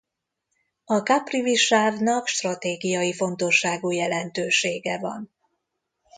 A Caprivi-sávnak stratégiai fontosságú jelentősége van.